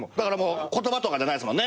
言葉とかじゃないっすもんね。